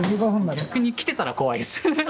逆に来てたら怖いです。